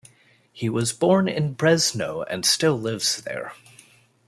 He was born in Brezno and still lives there.